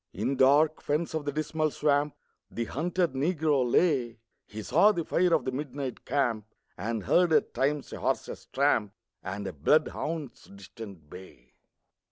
In dark fens of the Dismal Swamp The hunted Negro lay; He saw the fire of the midnight camp, And heard at times a horse's tramp And a bloodhound's distant bay.